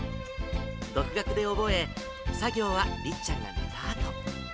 独学で覚え、作業はりっちゃんが寝たあと。